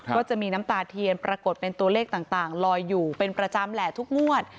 ก็จะมีน้ำตาเทียนปรากฏเป็นตัวเลขต่างลอยอยู่เป็นประจำแหละทุกงวด